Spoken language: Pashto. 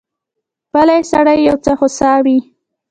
پلی سړی یو څه هوسا وي.